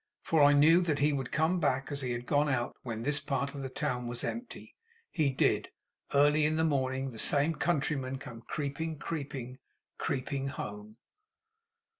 For I knew he would come back, as he had gone out, when this part of the town was empty. He did. Early in the morning, the same countryman came creeping, creeping, creeping home.